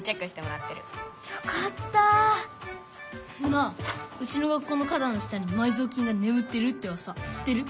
なあうちの学校の花だんの下に埋蔵金がねむってるってうわさ知ってる？